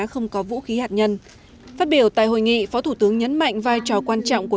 không có vũ khí hạt nhân phát biểu tại hội nghị phó thủ tướng nhấn mạnh vai trò quan trọng của